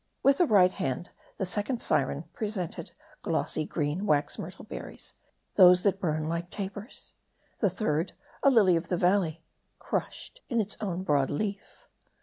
With the right hand, the second syren presented glossy, green wax myrtle berries, those that burn like tapers ; *the third, a lily of the valley, crushed in its own broad leaf.